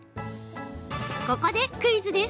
ここでクイズです。